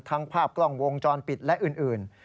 ภาพกล้องวงจรปิดและอื่น